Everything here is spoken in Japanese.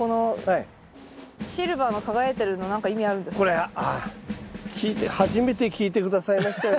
これああ初めて聞いて下さいましたよ